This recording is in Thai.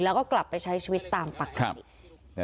แล้วก็กลับไปใช้ชีวิตตามปกติ